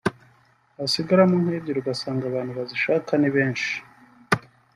hasigaramo nk’ebyiri ugasanga abantu bazishaka ni benshi